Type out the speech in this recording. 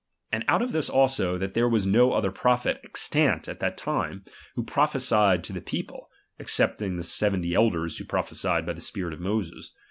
And out of this also, that there was no other prophet extant at that time, who prophesied to the people, excepting the se venty elders who prophesied by the spirit of Moses.